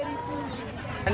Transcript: tahun ini rp dua